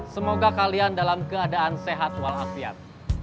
semoga kalian dalam keadaan sehat walafiat